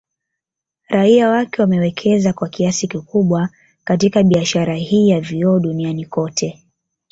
Raia wake wamewekeza kwa kiasi kikubwa katika Biasahara hii ya vioo Dunniani kote